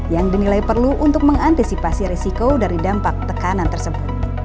yang dinilai perlu untuk mengantisipasi resiko dari dampak tekanan tersebut